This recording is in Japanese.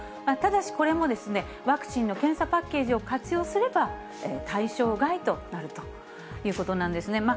ただし、これも、ワクチンの検査パッケージを活用すれば、対象外となるということなんですね。